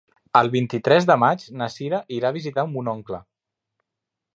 El vint-i-tres de maig na Sira irà a visitar mon oncle.